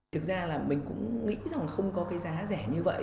thực ra là mình cũng nghĩ rằng không có cái giá rẻ như vậy